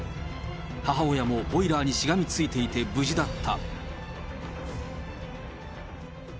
母親もボイラーにしがみついていて無事だった。